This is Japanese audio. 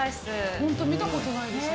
本当、見たことないです。